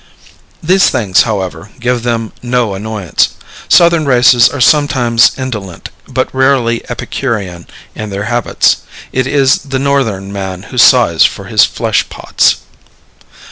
These things, however, give them no annoyance. Southern races are sometimes indolent, but rarely Epicurean in their habits; it is the Northern man who sighs for his flesh pots.